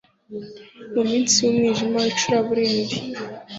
Mu minsi yumwijima wicuraburindi